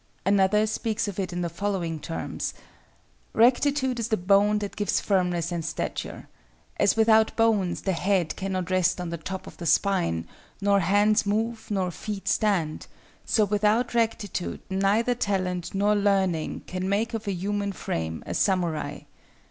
Another speaks of it in the following terms: "Rectitude is the bone that gives firmness and stature. As without bones the head cannot rest on the top of the spine, nor hands move nor feet stand, so without rectitude neither talent nor learning can make of a human frame a samurai.